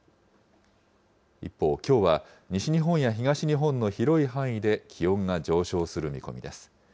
一方、きょうは西日本や東日本の広い範囲で、気温が上昇する見込みです。